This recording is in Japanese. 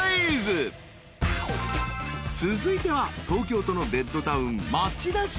［続いては東京都のベッドタウン］